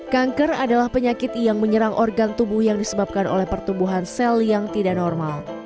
kanker adalah penyakit yang menyerang organ tubuh yang disebabkan oleh pertumbuhan sel yang tidak normal